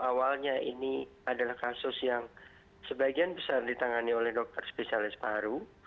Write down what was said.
awalnya ini adalah kasus yang sebagian besar ditangani oleh dokter spesialis paru